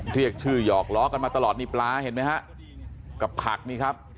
เรียกชื่อหยอกล้อกันมาตลอดนี่ปลาเห็นไหมฮะกับผักนี่ครับ